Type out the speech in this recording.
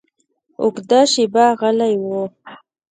اوږده شېبه غلی و.